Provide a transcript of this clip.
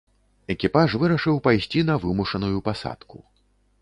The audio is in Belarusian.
Экіпаж вырашыў пайсці на вымушаную пасадку.